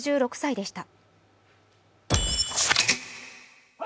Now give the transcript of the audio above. ６６歳でした。